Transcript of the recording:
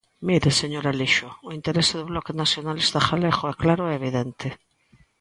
Mire, señor Alixo, o interese do Bloque Nacionalista Galego é claro e evidente.